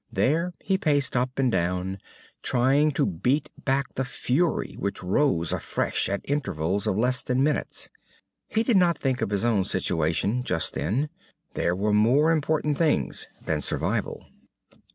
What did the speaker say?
There he paced up and down, trying to beat back the fury which rose afresh at intervals of less than minutes. He did not think of his own situation, just then. There are more important things than survival.